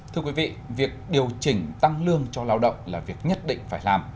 thưa quý vị việc điều chỉnh tăng lương cho lao động là việc nhất định phải làm